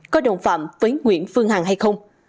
có đồng phạm với nguyễn phương hằng hay không